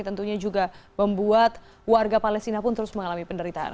tentunya juga membuat warga palestina pun terus mengalami penderitaan